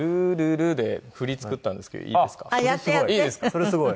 それすごい。